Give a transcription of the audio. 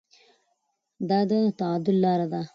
دا د تعادل لاره ده.